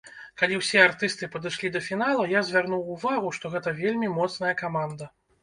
Калі ўсе артысты падышлі да фінала, я звярнуў увагу, што гэта вельмі моцная каманда.